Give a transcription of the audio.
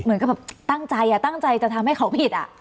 เหมือนกับแบบตั้งใจตั้งใจจะทำให้เขาผิด